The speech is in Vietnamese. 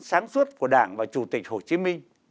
sáng suốt của đảng và chủ tịch hồ chí minh